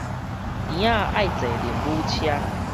嬰仔愛坐奶母車